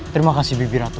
terima kasih bibi ratu